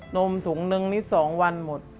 นมถุงหนึ่งนิดสองวันหมด